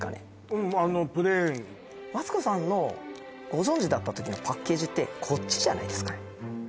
うんプレーンマツコさんのご存じだった時のパッケージってこっちじゃないですかね